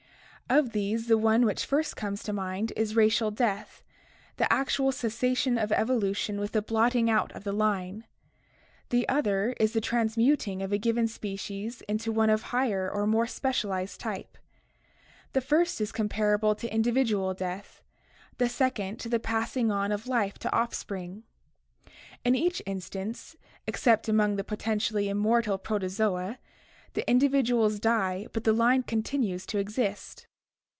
Of these the one which first comes to mind is racial death — the actual cessation of evolution with the blotting out of the line. The other is the transmuting of a given species into one of higher or more specialized type. The first is comparable to individual death, the second to the passing on of life to offspring. In each instance, except among the potentially immortal Protozoa, the individuals die but the line continues to ! exist.